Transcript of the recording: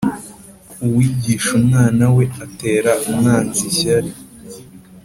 Uwigisha umwana we, atera umwanzi ishyari,